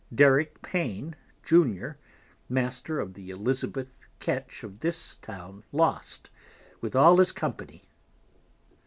Derick Pain, Junior, Master of the Elizabeth Ketch of this Town lost, with all his Company.